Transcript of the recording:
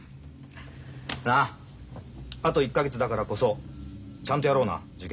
なああと１か月だからこそちゃんとやろうな受験勉強。